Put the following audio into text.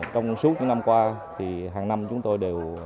trong suốt những năm qua thì hàng năm chúng tôi đều